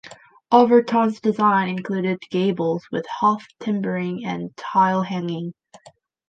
Overton's design included gables with half-timbering and tile-hanging.